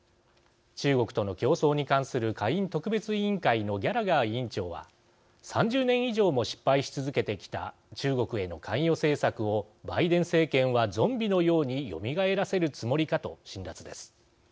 中国との競争に関する下院特別委員会のギャラガー委員長は３０年以上も失敗し続けてきた中国への関与政策をバイデン政権はゾンビのようによみがえらせるつもりかと辛辣です。